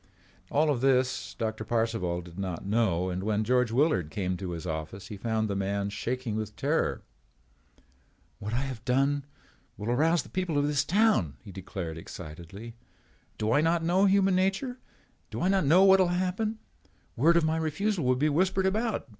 All of this, Doctor Parcival did not know and when George Willard came to his office he found the man shaking with terror. "What I have done will arouse the people of this town," he declared excitedly. "Do I not know human nature? Do I not know what will happen? Word of my refusal will be whispered about.